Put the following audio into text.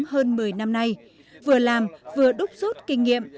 hơn một mươi năm nay vừa làm vừa đúc rút kinh nghiệm